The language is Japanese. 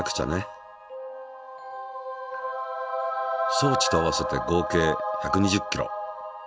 装置と合わせて合計１２０ｋｇ。